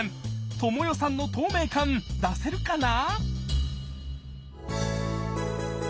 知世さんの透明感出せるかな？